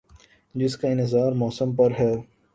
جس کا انحصار موسم پر ہے ۔